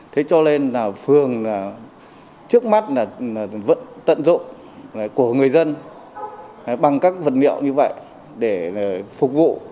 thế cho nên phương trước mắt vẫn tận dụng của người dân bằng các vật liệu như vậy để phục vụ